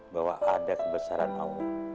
bahwa ada kebesaran allah